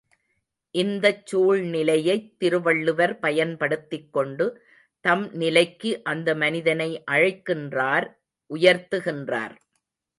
இந்தச் சூழ்நிலையைத் திருவள்ளுவர் பயன்படுத்திக் கொண்டு தம் நிலைக்கு அந்த மனிதனை அழைக்கின்றார் உயர்த்துகின்றார்.